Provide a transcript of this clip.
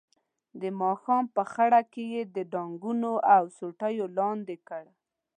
د ماښام په خړه کې یې د ډانګونو او سوټیو لاندې کړ.